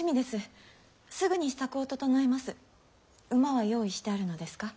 すぐに支度を調えます。